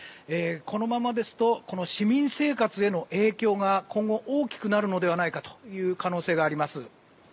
このままですと市民生活への影響が今後、大きくなるのではないかという可能性があります。